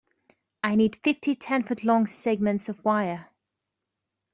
I need fifty ten-foot-long segments of wire.